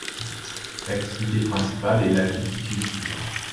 L'activité principale est la viticulture.